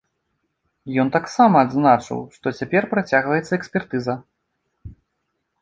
Ён таксама адзначыў, што цяпер працягваецца экспертыза.